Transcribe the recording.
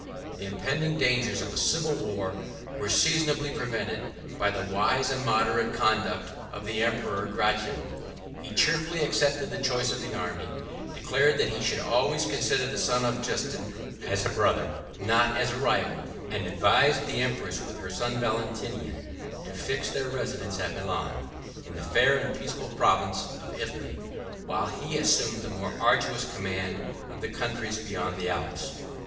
The impending dangers of a civil war were seasonably prevented by the wise and moderate conduct of the emperor Gratian. He cheerfully accepted the choice of the army; declared that he should always consider the son of Justina as a brother, not as a rival; and advised the empress, with her son Valentinian to fix their residence at Milan, in the fair and peaceful province of Italy; while he assumed the more arduous command of the countries beyond the Alps.